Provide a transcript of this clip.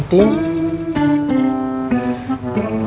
ibu teh sayang banget sama tin